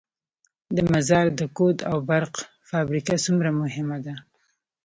د مزار د کود او برق فابریکه څومره مهمه ده؟